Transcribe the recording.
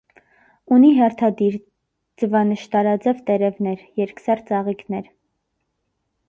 Ունի հերթադիր, ձվանշտարաձև տերևներ, երկսեռ ծաղիկներ։